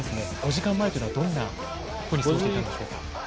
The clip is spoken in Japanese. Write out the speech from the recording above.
５時間前というのはどんな過ごし方をしていたんでしょうか。